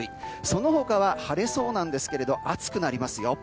その他は晴れそうですが暑くなりますよ。